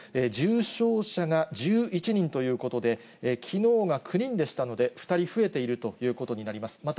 重症者が１１人ということで、きのうが９人でしたので、２人増えているということになります。